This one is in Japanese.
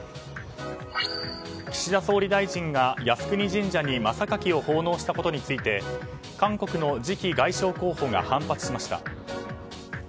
岸田総理大臣が靖国神社に真榊を奉納したことについて韓国の次期外相候補が反発しました。